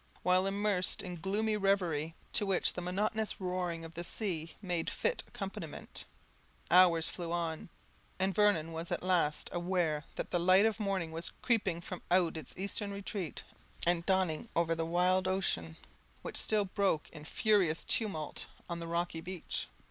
While immersed in gloomy reverie, to which the monotonous roaring of the sea made fit accompaniment, hours flew on, and Vernon was at last aware that the light of morning was creeping from out its eastern retreat, and dawning over the wild ocean, which still broke in furious tumult on the rocky beach.